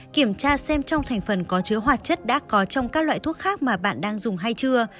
kiểm tra xem trong thành phần có chứa hoạt chất đã có trong các loại thuốc khác mà bạn đang dùng hay chưa